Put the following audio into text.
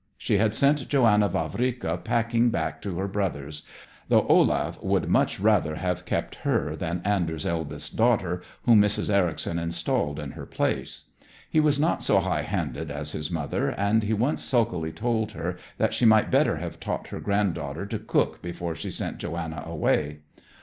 She had sent Johanna Vavrika packing back to her brother's, though Olaf would much rather have kept her than Anders' eldest daughter, whom Mrs. Ericson installed in her place. He was not so high handed as his mother, and he once sulkily told her that she might better have taught her granddaughter to cook before she sent Johanna away.